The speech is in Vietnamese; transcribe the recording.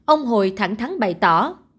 ông hồi thẳng thắng bày tỏ